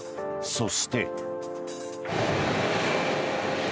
そして。